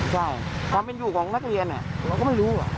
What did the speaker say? ใช่ความเป็นอยู่ของนักเรียนเราก็ไม่รู้